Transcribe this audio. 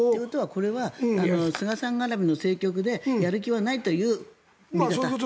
これは菅さん絡みの政策でやる気はないという見方？